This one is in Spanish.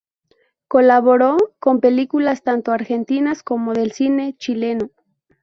Colaboró con películas tanto argentinas como del cine chileno.